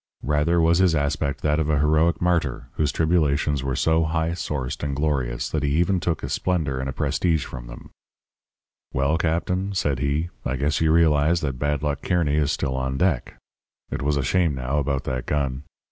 Rather was his aspect that of a heroic martyr whose tribulations were so high sourced and glorious that he even took a splendour and a prestige from them. "'Well, Captain,' said he, 'I guess you realize that Bad Luck Kearny is still on deck. It was a shame, now, about that gun.